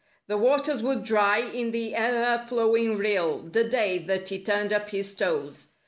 The waters would dry in the e'er flowing rill— The day that he turned up his toes.